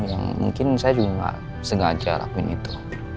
yang mungkin saya juga nggak sengaja lakuin itu